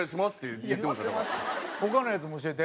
他のやつも教えて。